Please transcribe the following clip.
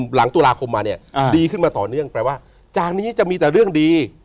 หลังตุลาคมมาเนี่ยดีขึ้นมาต่อเนื่องแปลว่าจากนี้จะมีแต่เรื่องดี